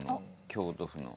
京都府の。